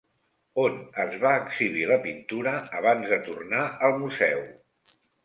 On es va exhibir la pintura abans de tornar al museu?